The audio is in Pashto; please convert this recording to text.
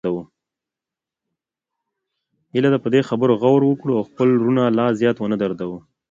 هیله ده په دې خبرو غور وکړو او خپل وروڼه لا زیات ونه دردوو